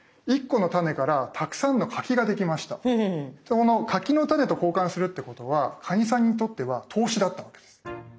この柿の種と交換するってことはカニさんにとっては投資だったわけです。